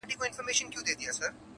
د قصاب له سترګو بلي خواته ګوره!